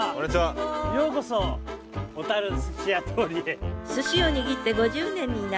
ようこそ小寿司屋通りへ。